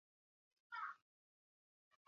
Gutxienez bost pertsona atxilotu dituzte.